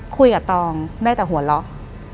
คุยกับตองได้แต่หัวเราะ